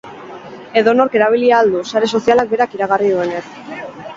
Edonork erabili ahal du, sare sozialak berak iragarri duenez.